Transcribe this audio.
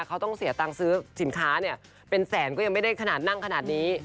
เขาต้องเสียตังค์ซื้อสินค้าเนี่ยเป็นแสนก็ยังไม่ได้ขนาดนั่งขนาดนี้